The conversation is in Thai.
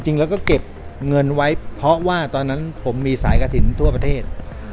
จริงแล้วก็เก็บเงินไว้เพราะว่าตอนนั้นผมมีสายกระถิ่นทั่วประเทศ